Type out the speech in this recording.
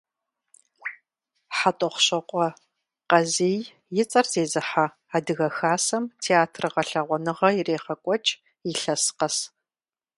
ХьэтӀохъущокъуэ Къазий и цӀэр зезыхьэ Адыгэбзэ хасэм театр гъэлъэгъуэныгъэ ирегъэкӀуэкӀ илъэс къэс.